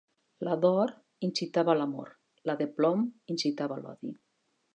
La d'or incitava l'amor, la de plom incitava l'odi.